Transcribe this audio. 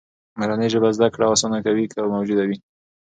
مورنۍ ژبه زده کړه آسانه کوي، که موجوده وي.